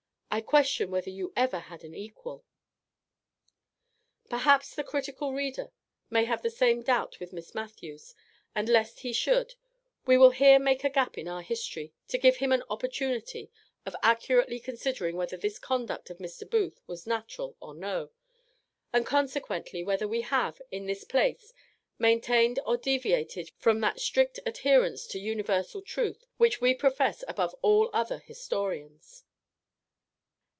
I question whether you ever had an equal." Perhaps the critical reader may have the same doubt with Miss Matthews; and lest he should, we will here make a gap in our history, to give him an opportunity of accurately considering whether this conduct of Mr. Booth was natural or no; and consequently, whether we have, in this place, maintained or deviated from that strict adherence to universal truth which we profess above all other historians.